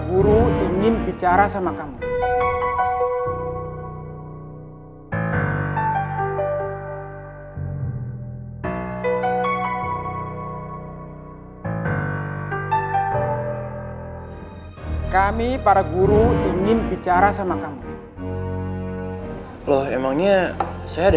guru ingin bicara sama kamu kami para guru ingin bicara sama kamu loh emangnya saya ada